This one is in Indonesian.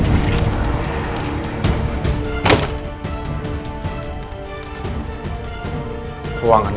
tidak ada ruangan